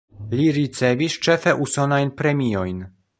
Li ricevis ĉefe usonajn premiojn.